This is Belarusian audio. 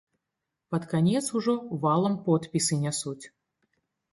Пад канец ужо валам подпісы нясуць!